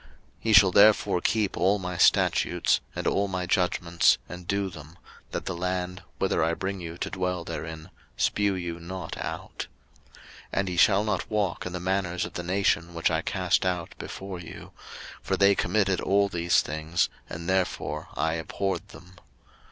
03:020:022 Ye shall therefore keep all my statutes, and all my judgments, and do them: that the land, whither I bring you to dwell therein, spue you not out. 03:020:023 And ye shall not walk in the manners of the nation, which I cast out before you: for they committed all these things, and therefore I abhorred them.